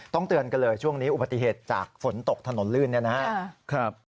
เตือนกันเลยช่วงนี้อุบัติเหตุจากฝนตกถนนลื่นเนี่ยนะครับ